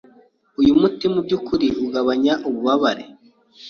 Uyu muti mubyukuri ugabanya ububabare?